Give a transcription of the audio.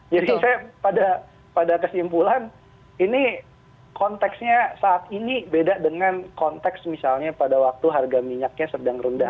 jadi saya pada kesimpulan ini konteksnya saat ini beda dengan konteks misalnya pada waktu harga minyaknya sedang rendah